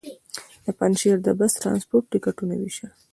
د پنجشېر د بس ټرانسپورټ ټکټونه وېشل.